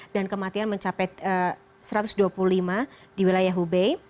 dan kematian mencapai satu ratus dua puluh lima di wilayah hubei